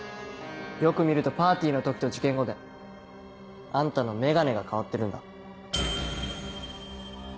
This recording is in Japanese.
よく見るとパーティーの時と事件後であんたの眼鏡が替わってるんだ。